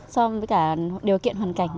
so với cả điều kiện hoàn cảnh